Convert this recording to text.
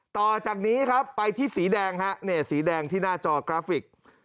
ต่อจากนี้ครับไปที่สีแดงฮะนี่สีแดงที่หน้าจอกราฟิก